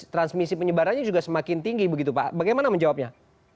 transmisi penyebarannya juga semakin tinggi begitu pak bagaimana menjawabnya